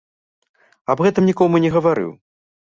Аб гэтым нікому не гаварыў.